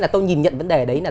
tôi nhìn nhận vấn đề đấy là